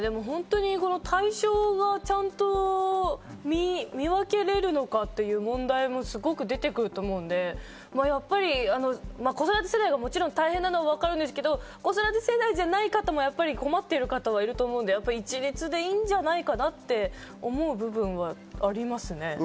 対象を見分けられるのかという問題もすごく出てくると思うので、子育て世代が大変なのはわかるんですけど、子育て世代じゃない方も困っている方はいると思うので、一律でいいんじゃないかなって思う部分はありますね。